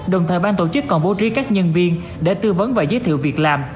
đồng thời ban tổ chức còn bố trí các nhân viên để tư vấn và giới thiệu việc làm